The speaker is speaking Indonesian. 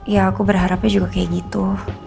ya aku berharapnya juga kayak gitu